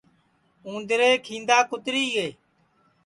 اُندرے کھیندا کُتری گے